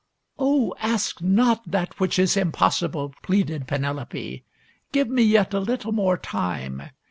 " Oh, ask not that which is impossible," pleaded Penelope. " Give me yet a little more time.